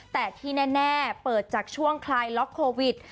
แต่ที่แน่เปิดจากช่วงคลายล็อกโควิด